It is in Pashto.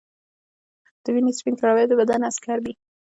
د وینې سپین کرویات د بدن عسکر دي